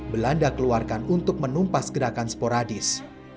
belanda keluarkan untuk menumpas gerakan sporadis